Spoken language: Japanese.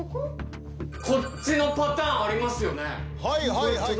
こっちのパターンありますよね。